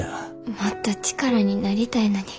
もっと力になりたいのに。